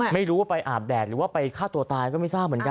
ไม่รู้ว่าไปอาบแดดหรือว่าไปฆ่าตัวตายก็ไม่ทราบเหมือนกัน